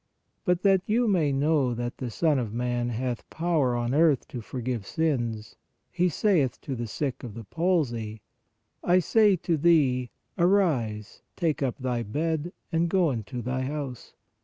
But that you may know that the Son of man hath power on earth to forgive sins, He saith to the sick of the palsy: I say to thee: Arise, take up thy bed and go into thy house.